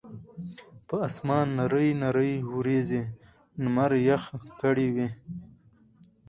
پۀ اسمان نرۍ نرۍ وريځې نمر يخ کړے وو